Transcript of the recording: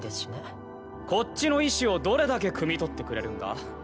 こっちの意思をどれだけくみ取ってくれるんだ？